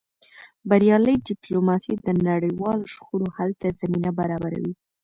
بریالۍ ډیپلوماسي د نړیوالو شخړو حل ته زمینه برابروي.